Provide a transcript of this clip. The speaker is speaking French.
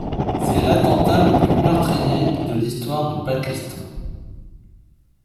C'est l'attentat le plus meurtrier de l'histoire du Pakistan.